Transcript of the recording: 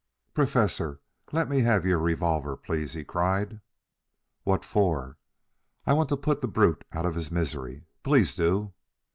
"Professor, let me have your revolver please," he cried. "What for?" "I want to put the brute out of his misery. Please do!"